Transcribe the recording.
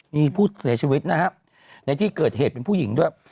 มีผู้เสียชีวิตนะครับในที่เกิดเหตุเป็นผู้หญิงด้วย